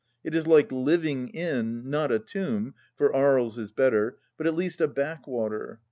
It is like living in, not a tomb, for Aries is better, but at least a backwater.